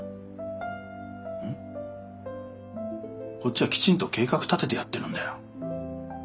こっちはきちんと計画立ててやってるんだよ。